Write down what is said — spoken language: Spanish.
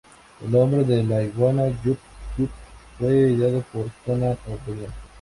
El nombre de la iguana Jub-Jub fue ideado por Conan O'Brien.